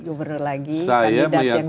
gubernur lagi kandidat yang